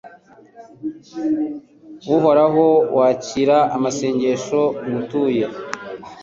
Uhoraho wakire amasengesho ngutuye